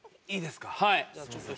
いいっすか？